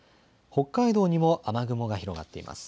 北海道にも雨雲が広がっています。